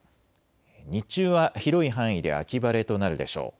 日中は広い範囲で秋晴れとなるでしょう。